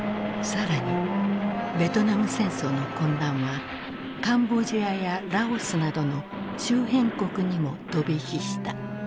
更にベトナム戦争の混乱はカンボジアやラオスなどの周辺国にも飛び火した。